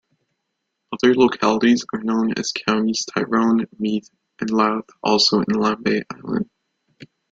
Other localities are known in counties Tyrone, Meath and Louth, also in Lambay Island.